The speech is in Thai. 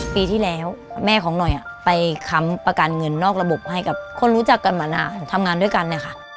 ปีที่แล้วแม่ของหน่อยไปค้ำประกันเงินนอกระบบให้กับคนรู้จักกันมานานทำงานด้วยกันนะคะ